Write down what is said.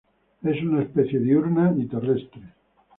Es una especie diurna y terrestre.